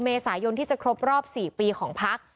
เมษายนที่จะครบรอบ๔ปีของพัก